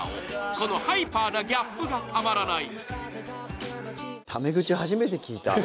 このハイパーなギャップがたまらない。